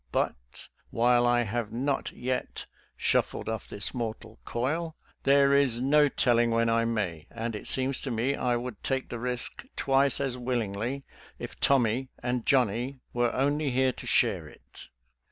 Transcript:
But, while I have not yet " shuffled off this mortal coil," there is no tell CROSSING OVER INTO MARYLAND 87 ing when I may, and it seems to me I would take the risk twice as willingly if Tommie and Johnnie were only here to share it.